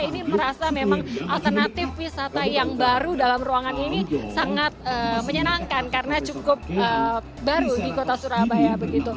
ini merasa memang alternatif wisata yang baru dalam ruangan ini sangat menyenangkan karena cukup baru di kota surabaya